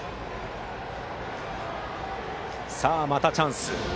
またチャンスです。